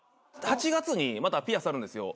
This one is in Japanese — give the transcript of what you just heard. ８月にまた『ピアス』あるんですよ。